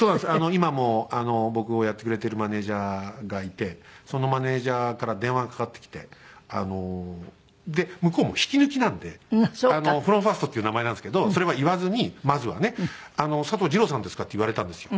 今も僕をやってくれてるマネジャーがいてそのマネジャーから電話がかかってきてあの向こうも引き抜きなのでフロムファーストっていう名前なんですけどそれは言わずにまずはね。「佐藤二朗さんですか？」って言われたんですよ。